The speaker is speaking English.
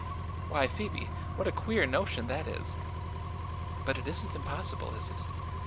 "Why, Phoebe, what a queer notion that is!" "But it isn't impossible, is it?